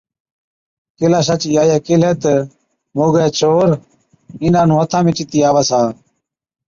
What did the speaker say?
ڪيلاشا چِي آئِي ڪيهلَي تہ، ’موڳَي ڇوهر، اِينڏان نُون هٿا چتِي آوَس ها‘۔